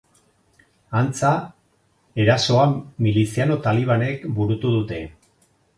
Antza, erasoa miliziano talibanek burutu dute.